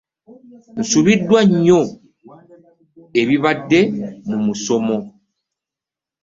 Nsubiddwa nnyo ebibadde mu musomo.